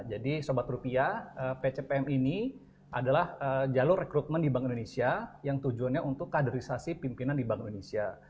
jadi sobat rupiah pcpm ini adalah jalur rekrutmen di bank indonesia yang tujuannya untuk kaderisasi pimpinan di bank indonesia